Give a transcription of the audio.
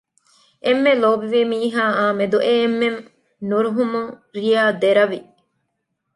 އެންމެ ލޯބިވި މީހާއާ މެދު އެ އެންމެން ނުރުހުމުން ރިޔާ ދެރަވި